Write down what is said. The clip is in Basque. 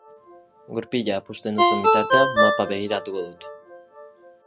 Gurpila puzten duzun bitartean mapa begiratuko dut.